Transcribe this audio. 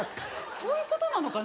そういうことなのかな？